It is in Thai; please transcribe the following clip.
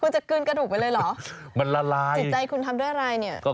คุณจะกลืนกระดูกไปเลยเหรอจิตใจคุณทำด้วยอะไรเนี่ยมันละลาย